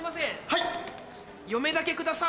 はい。